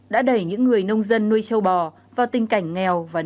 đã đẩy những người nông dân nuôi châu bò vào tình cảnh nghèo và nợ lớn